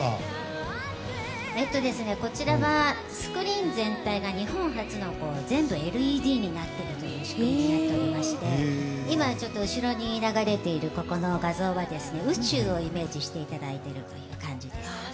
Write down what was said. こちらはスクリーン全体が日本初の全部ＬＥＤになっておりまして今、後ろに流れている画像は宇宙をイメージしていただいている感じです。